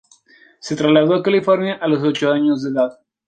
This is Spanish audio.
Se trasladó a California a los ocho años de edad.